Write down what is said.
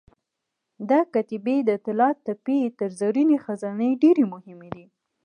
دا کتیبې د طلاتپې تر زرینې خزانې ډېرې مهمې دي.